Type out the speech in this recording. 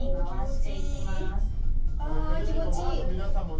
テレビの前の皆さんもね。